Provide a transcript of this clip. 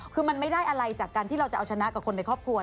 คือมันไม่ได้อะไรจากการที่เราจะเอาชนะกับคนในครอบครัว